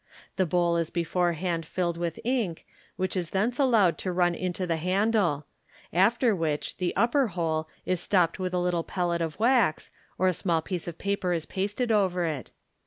The bowl is Fig. 204 beforehand filled with ink, which is thence allowed to run into the handle 5 after Which the upper hole is stopped with a little pellet of wax, or a small piece of paper is pasted over it.